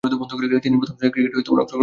তিনি প্রথম-শ্রেণীর ক্রিকেটে অংশগ্রহণ করেন।